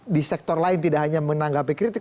di sektor lain tidak hanya menanggapi kritik